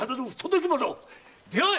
出会え！